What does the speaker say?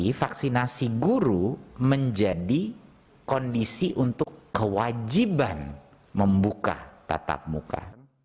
jadi vaksinasi guru menjadi kondisi untuk kewajiban membuka tatap muka